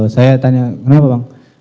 saya tanya kenapa bang